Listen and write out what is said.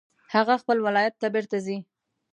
هغه خپل ولایت ته بیرته ځي